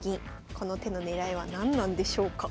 この手の狙いは何なんでしょうか。